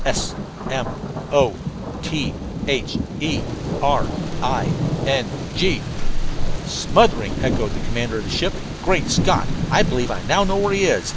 "S M O T H E R I N G." "Smothering!" echoed the commander of the ship. "Great Scott! I believe I know now where he is.